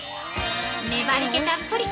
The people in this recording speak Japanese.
◆粘り気たっぷり！